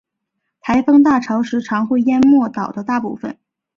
台风大潮时常会淹没岛的大部分。